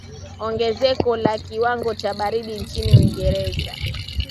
ongezeko la kiwango cha baridi nchini uingereza